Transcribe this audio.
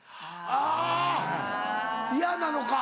あぁ嫌なのか。